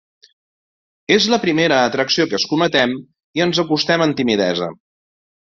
És la primera atracció que escometem i ens acostem amb timidesa.